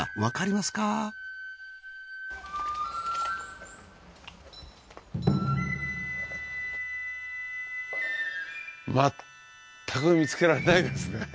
まったく見つけられないですね。